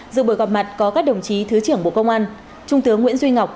dự buổi gặp mặt có các đồng chí thứ trưởng bộ công an trung tướng nguyễn duy ngọc